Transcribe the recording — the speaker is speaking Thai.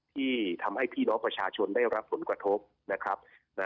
ที่ทำให้พี่น้องประชาชนได้รับผลกระทบนะครับ